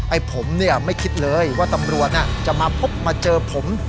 ไอ้ผมเนี่ยไม่คิดเลยว่าตำรวจจะมาพบมาเจอผม